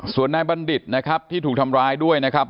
ส่วนไหนบรรดิตที่ถูกทำร้ายด้วยนะครับ